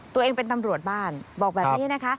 ตัวเองเป็นตำรวจบ้านบอกแบบนี้นะคะ